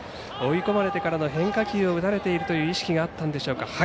追い込まれてからの変化球を打たれているという意識があったんでしょうか。